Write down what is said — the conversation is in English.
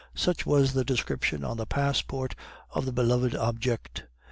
Such was the description on the passport of the beloved object.